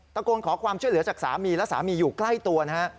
โกนขอความช่วยเหลือจากสามีและสามีอยู่ใกล้ตัวนะฮะ